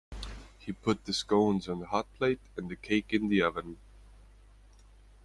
He put the scones on the hotplate, and the cake in the oven